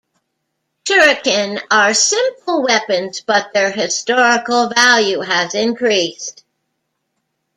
Shuriken are simple weapons, but their historical value has increased.